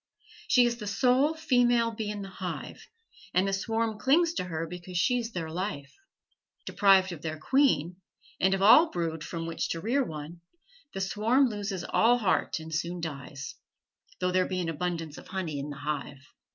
She is the sole female bee in the hive, and the swarm clings to her because she is their life. Deprived of their queen, and of all brood from which to rear one, the swarm loses all heart and soon dies, though there be an abundance of honey in the hive.